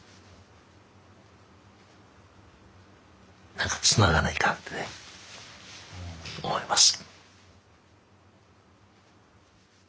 何かつながないかんってね思います。